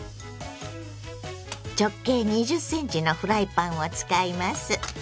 直径２０ｃｍのフライパンを使います。